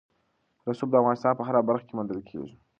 رسوب د افغانستان په هره برخه کې موندل کېږي.